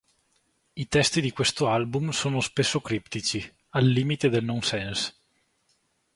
I testi di questo album sono spesso criptici, al limite del non-sense.